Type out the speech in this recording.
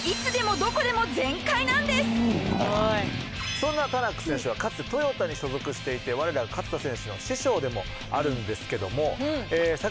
その走りはそんなタナック選手はかつてトヨタに所属していて我らが勝田選手の師匠でもあるんですけども。